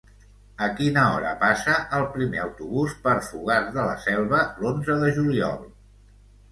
A quina hora passa el primer autobús per Fogars de la Selva l'onze de juliol?